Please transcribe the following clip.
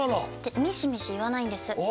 ミシミシいわないんですあ